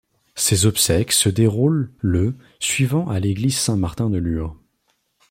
Ses obsèques se déroulent le suivant à l'église Saint-Martin de Lure.